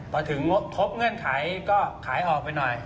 พอถึงงบครบเงื่อนไขก็ขายออกไปหน่อย